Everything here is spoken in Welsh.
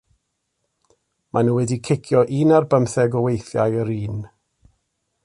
Maen nhw wedi cicio un ar bymtheg o weithiau yr un.